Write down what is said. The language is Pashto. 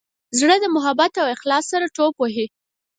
زړه د محبت او اخلاص سره ټوپ وهي.